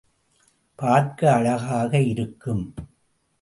பார்க்க அழகாக இருக்கும்.